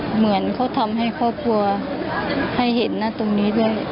เหมือนเขาทำให้ครอบครัวให้เห็นนะตรงนี้ด้วย